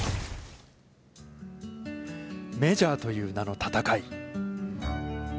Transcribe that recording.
メジャーという名の戦い。